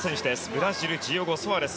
ブラジルのジオゴ・ソアレス。